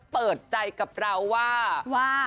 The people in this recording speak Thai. เขาเปิดใจกับเราว่าว่า